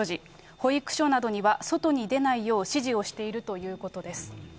保育所などには、外に出ないよう指示をしているということです。